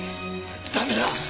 駄目だ！